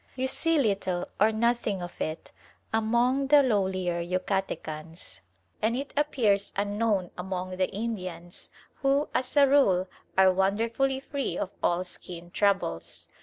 You see little or nothing of it among the lowlier Yucatecans, and it appears unknown among the Indians, who, as a rule, are wonderfully free of all skin troubles.